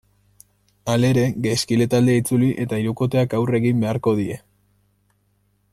Halere, gaizkile taldea itzuli eta hirukoteak aurre egin beharko die.